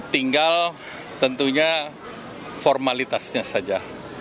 tinggal tentunya formalitasnya saja